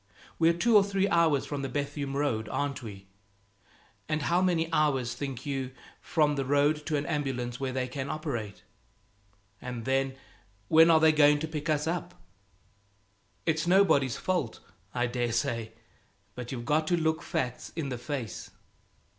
We're two or three hours from the Bethune road, aren't we? And how many hours, think you, from the road to an ambulance where they can operate? And then, when are they going to pick us up? It's nobody's fault, I dare say; but you've got to look facts in the face.